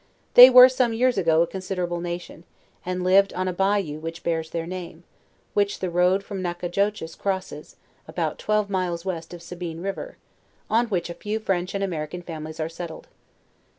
They were some years ago, a considerable nation, and lived on a. Bayou which bears their name, which the road from Nacag doches crosses, about twelve miles west of Sabine river, on which a few French and American families are settled.